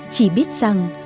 chỉ biết rằng